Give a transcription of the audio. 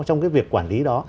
trong cái việc quản lý đó